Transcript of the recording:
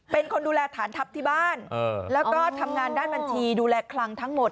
เป็นคนดูแลฐานทัพที่บ้านแล้วก็ทำงานด้านบัญชีดูแลคลังทั้งหมด